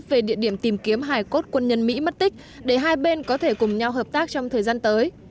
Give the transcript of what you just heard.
về địa điểm tìm kiếm hải cốt quân nhân mỹ mất tích để hai bên có thể cùng nhau hợp tác trong thời gian tới